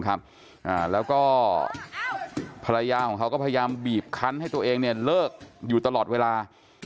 แล้วก็ภรรยาของเขาก็พยายามบีบคันให้ตัวเองเนี่ยเลิกอยู่ตลอดเวลา